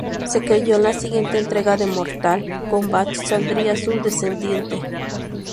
Se creyó que en la siguiente entrega de Mortal Kombat saldría su descendiente.